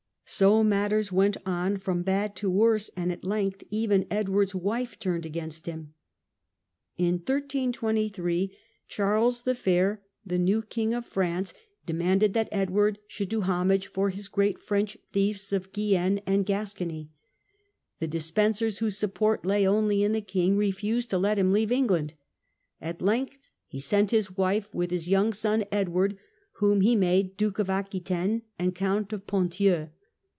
So matters went on from bad to worse, and at length even Edward's wife turned against him. In 1323 Charles the Fair, the new King of France, EDWARD'S DEPOSITION. 103 demanded that Edward should do homage for his great French fiefs of Guienne and Gascony. The Despensers, whose support lay only in the king, refused to let him leave England. At length he sent his wife with his young son Edward, whom he made Duke of Aquitaine and Count of Ponthieu.